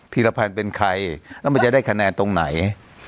ีรพันธ์เป็นใครแล้วมันจะได้คะแนนตรงไหน